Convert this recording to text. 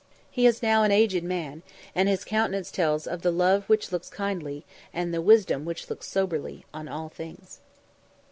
He is now an aged man, and his countenance tells of the "love which looks kindly, and the wisdom which looks soberly, on all things."